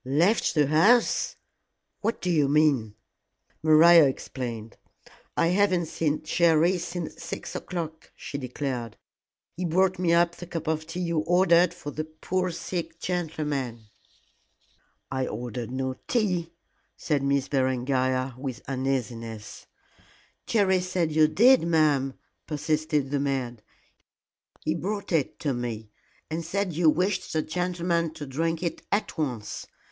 "Left the house! What do you mean?" Maria explained. "I haven't seen Jerry since six o'clock," she declared; "he brought me up the cup of tea you ordered for the poor sick gentleman." "I ordered no tea," said Miss Berengaria, with uneasiness. "Jerry said you did, ma'am," persisted the maid; "he brought it to me, and said you wished the gentleman to drink it at once.